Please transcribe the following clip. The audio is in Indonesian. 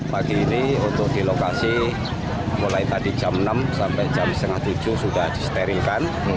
pagi ini untuk di lokasi mulai tadi jam enam sampai jam setengah tujuh sudah disterilkan